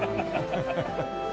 ハハハハ。